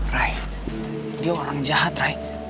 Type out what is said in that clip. rai dia orang jahat rai